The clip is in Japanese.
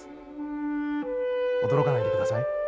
おどろかないでください。